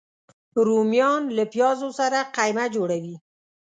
رومیان له پیازو سره قیمه جوړه وي